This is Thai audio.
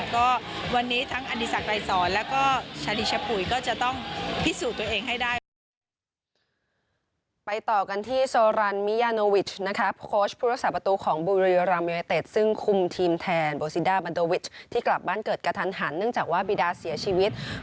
ก็วันนี้ทั้งอันนิสักรายสอนและก็ชาลิชพุยก็จะต้องพิสูจน์ตัวเองให้ได้